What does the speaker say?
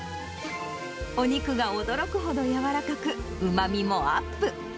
お肉が驚くほどやわらかく、うまみもアップ。